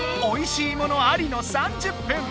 おいしいものありの３０分。